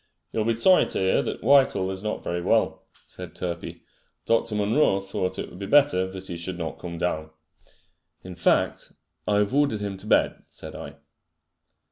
"You'll be sorry to hear that Whitehall is not very well," said Turpey. "Dr. Munro thought it would be better that he should not come down." "In fact, I have ordered him to bed," said I.